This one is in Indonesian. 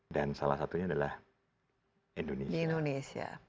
dan salah satunya adalah indonesia